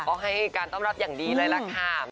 ก็ให้การต้อนรับอย่างดีเลยล่ะค่ะ